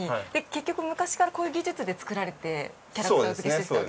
結局昔からこういう技術で作られてキャラクター付けしていった。